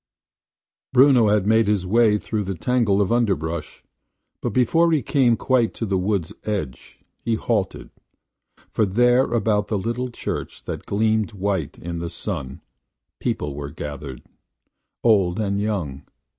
Bruno had made his way through a tangle of underbrush; but before he came quite to the wood's edge, he halted: for there about the little church that gleamed white in the sun, people were gathered – old and young.